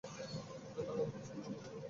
ধন্যবাদ, বিচারকমণ্ডলী।